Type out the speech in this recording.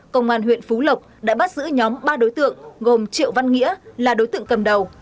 công an huyện phú lộc đã bắt giữ nhóm ba đối tượng gồm triệu văn nghĩa là đối tượng cầm đầu